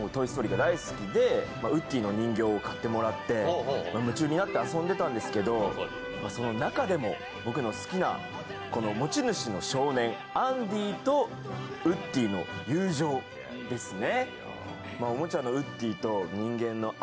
僕、小さいころから「トイ・ストーリー」が大好きで、ウッディの人形を買ってもらって夢中になって遊んでたんですけどその中でも僕の好きな持ち主の少年、アンディとウッディの友情ですね。